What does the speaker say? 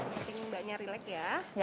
mungkin mbaknya relax ya